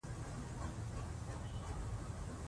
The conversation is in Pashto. اورېدل په څپو کې یو شان دي.